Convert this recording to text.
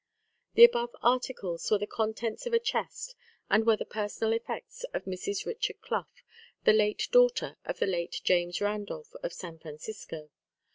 The above articles were the contents of a chest, and were the personal effects of Mrs. Richard Clough, the late daughter of the late James Randolph, of San Francisco.